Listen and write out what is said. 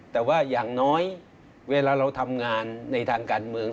แต่ว่าอย่างน้อยเวลาเราทำงานในทางการเมือง